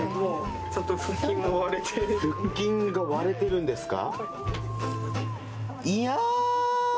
腹筋が割れてるんですか？